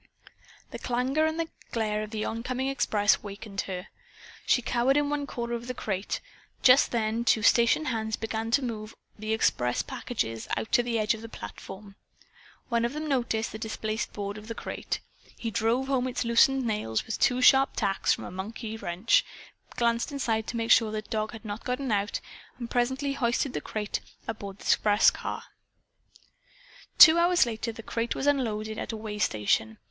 The clangor and glare of the oncoming express awakened her. She cowered in one corner of the crate. Just then two station hands began to move the express packages out to the edge of the platform. One of them noticed the displaced board of the crate. He drove home its loosened nails with two sharp taps from a monkey wrench, glanced inside to make certain the dog had not gotten out, and presently hoisted the crate aboard the express car. Two hours later the crate was unloaded at a waystation.